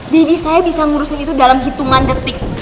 jadi saya bisa ngurusin itu dalam hitungan detik